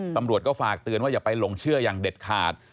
ตำรวจก็ฝากเตือนว่าอย่าไปหลงเชื่ออย่างเด็ดขาด